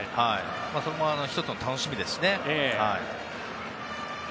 それも１つの楽しみですね。